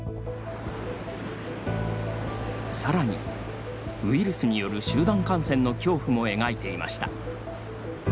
さらに、ウイルスによる集団感染の恐怖も描いていました。